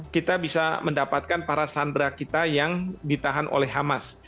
kita bisa mendapatkan para sandera kita yang ditahan oleh hamas